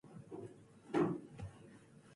It has well-developed industry and agriculture.